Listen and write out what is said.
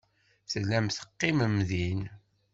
Tellam teqqimem din.